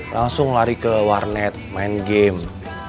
langsung lari ke warnet main game